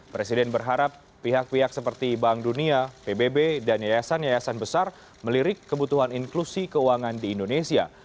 presiden berharap pihak pihak seperti bank dunia pbb dan yayasan yayasan besar melirik kebutuhan inklusi keuangan di indonesia